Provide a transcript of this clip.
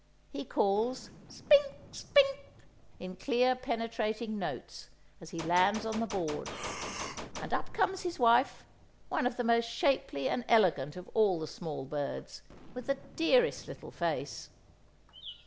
He calls "Spink, spink," in clear penetrating notes, as he lands on the board; and up comes his wife—one of the most shapely and elegant of all the small birds, with the dearest little face!